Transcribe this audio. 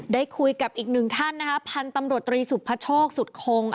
ได้คุยกับอีกหนึ่งท่านนะคะพันธุ์ตำรวจตรีสุภโชคสุดคง